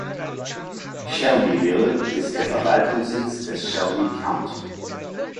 Shelbyville ist der Verwaltungssitz des Shelby County.